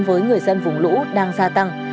với người dân vùng lũ đang gia tăng